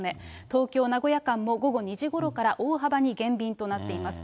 東京・名古屋間も午後２時ごろから大幅に減便となっています。